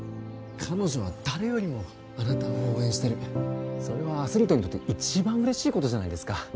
彼女は誰よりもあなたを応援してるそれはアスリートにとって一番嬉しいことじゃないですか